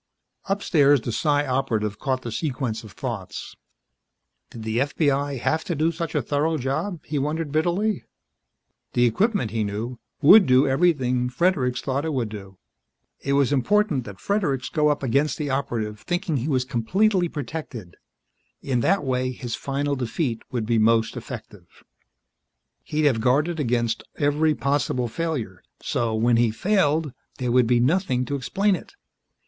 Upstairs, the Psi Operative caught the sequence of thoughts. Did the FBI have to do such a thorough job, he wondered bitterly. The equipment, he knew, would do everything Fredericks thought it would do. It was important that Fredericks go up against the Operative thinking he was completely protected in that way his final defeat would be most effective. He'd have guarded against every possible failure so, when he failed, there would be nothing to explain it.